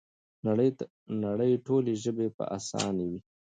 د نړۍ ټولې ژبې به اسانې وي؛